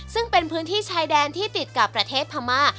ซึ่งเป็นพื้นที่ชายแดนที่ติดกับประเทศพม่า